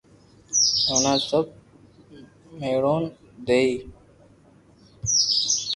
ورنہ سب ميڙون ديئي